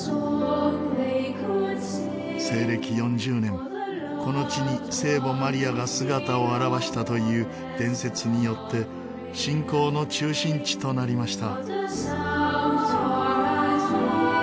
西暦４０年この地に聖母マリアが姿を現したという伝説によって信仰の中心地となりました。